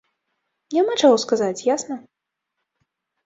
Няма чаго сказаць, ясна.